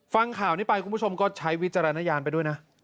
ฟังข่าวนี้ไปคุณผู้ชมก็ใช้วิจารณญาณไปด้วยนะ